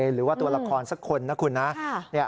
หรือว่าตัวละครสักคนนะคุณนะ